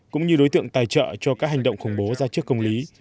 cũng như đối tượng tài trợ